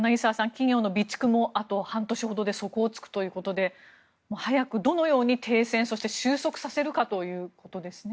企業の備蓄もあと半年ほどで底を突くということで早く、どのように停戦そして終息させるかということですね。